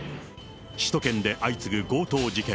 首都圏で相次ぐ強盗事件。